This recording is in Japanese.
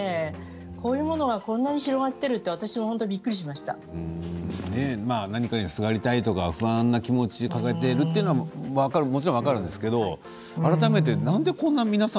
こういうものがこんなに広がっていると私も本当にびっくりしま何かにすがりたいとか不安な気持ちを抱えているのはもちろん分かるんですけれど改めてなんで皆さん